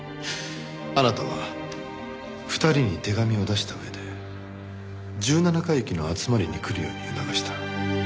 あなたは２人に手紙を出した上で十七回忌の集まりに来るように促した。